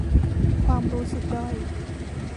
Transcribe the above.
ความรู้สึกด้อย